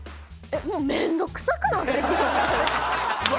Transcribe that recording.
もう面倒くさくなってきません？